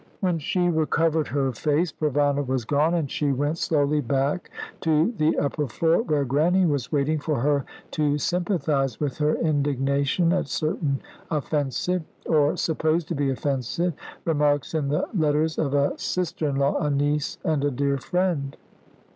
When she uncovered her face Provana was gone, and she went slowly back to the upper floor, where Grannie was waiting for her to sympathise with her indignation at certain offensive or supposed to be offensive remarks in the letters of a sister in law, a niece, and a dear friend.